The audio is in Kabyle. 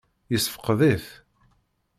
Yessefqed-it?